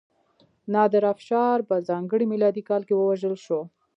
نادرافشار په ځانګړي میلادي کال کې ووژل شو.